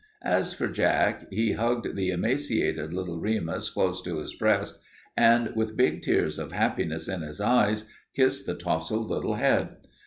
As for Jack, he hugged the emaciated little Remus close to his breast, and, with big tears of happiness in his eyes, kissed the tousled little head.